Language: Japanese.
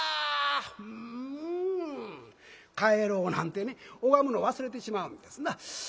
ん！帰ろう」なんてね拝むの忘れてしまうんですな。